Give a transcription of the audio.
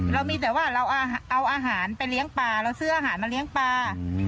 เรามีแต่ว่าเราเอาอาหารไปเลี้ยงปลาเราซื้ออาหารมาเลี้ยงปลา